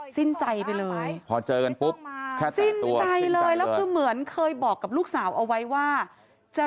สิ้นใจไปเลยสิ้นใจเลยแล้วคือเหมือนเคยบอกกับลูกสาวเอาไว้ว่าไม่ต้องมาแค่ตัดตัว